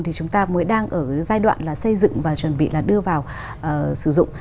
thì chúng ta mới đang ở giai đoạn xây dựng và chuẩn bị đưa vào sử dụng